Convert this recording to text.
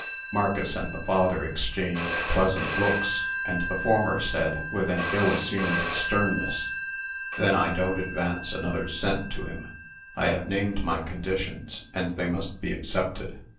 Marcus and the father exchanged pleasant looks, and the former said, with an ill assumed sternness: "Then I don't advance another cent to him. I have named my conditions, and they must be accepted.